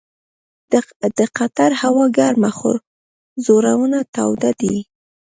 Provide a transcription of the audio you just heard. د قطر هوا ګرمه خو زړونه تاوده دي.